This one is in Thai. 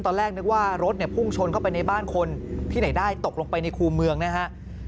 ตอนแรกนึกว่ารถเนี่ยพุ่งชนเข้าไปในบ้านคนที่ไหนได้ตกลงไปในคู่เมืองนะฮะ